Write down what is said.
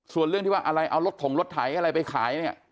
ส่วนเรื่องที่ว่าอะไรเอารถถงรถไถอะไรไปขายเนี่ย